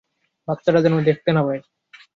বাচ্চারা যেন দেখতে না পায়।